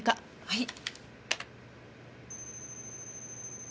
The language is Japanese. はい。